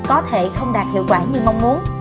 có thể không đạt hiệu quả như mong muốn